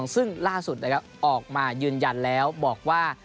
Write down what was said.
ซึ่งล่าสุดเอาค์มายืนยันแล้วบอกว่า